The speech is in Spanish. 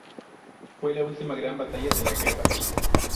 Fue la última gran batalla de la guerra.